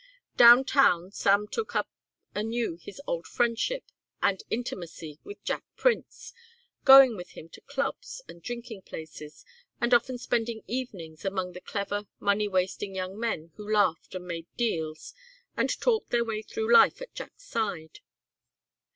Down town Sam took up anew his old friendship and intimacy with Jack Prince, going with him to clubs and drinking places and often spending evenings among the clever, money wasting young men who laughed and made deals and talked their way through life at Jack's side.